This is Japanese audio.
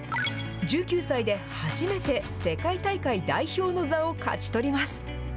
１９歳で初めて世界大会代表の座を勝ち取ります。